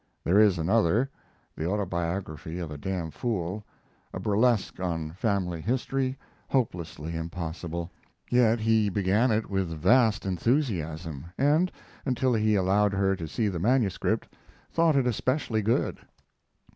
There is another, "The Autobiography of a Damn Fool," a burlesque on family history, hopelessly impossible; yet he began it with vast enthusiasm and, until he allowed her to see the manuscript, thought it especially good.